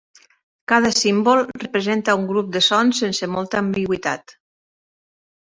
Cada símbol representa un grup de sons sense molta ambigüitat.